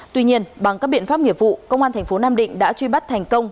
tuy nhiên bằng các biện pháp nghiệp vụ công an thành phố nam định đã truy bắt thành công